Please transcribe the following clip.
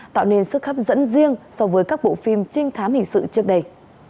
tạo nên sức hấp dẫn riêng so với các bộ phim trinh thám hình sự trước đây